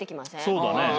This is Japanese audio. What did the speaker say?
そうだね。